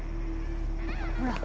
ほら。